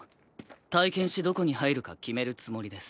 体験しどこに入るか決めるつもりです。